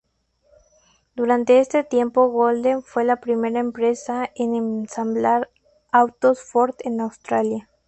Durante este tiempo Holden fue la primera empresa en ensamblar autos Ford en Australia.